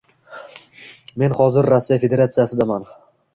Men hozir Rossiya Federatsiyasidaman.